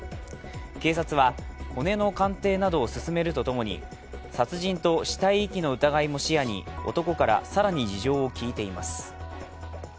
警察は、骨の鑑定などを進めるとともに殺人と死体遺棄の疑いも視野に男から更に事情を聴いています。